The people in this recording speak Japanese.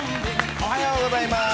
おはようございます。